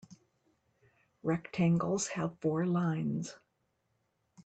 Rectangles have four lines.